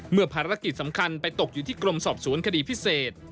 ภารกิจสำคัญไปตกอยู่ที่กรมสอบสวนคดีพิเศษ